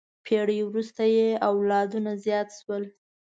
پېړۍ وروسته یې اولادونه زیات شول.